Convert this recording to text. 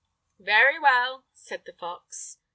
"Very well," said the fox.